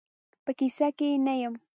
په کیسه کې یې نه یم.